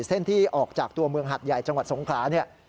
เส้นที่ออกจากตัวเมืองหัดใหญ่จังหวัดสงขลาเนี่ย